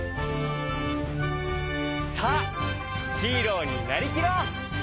さあヒーローになりきろう！